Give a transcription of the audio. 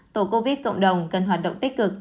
tổ covid cộng đồng cần hoạt động tích cực